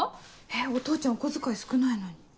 お父ちゃんお小遣い少ないのに。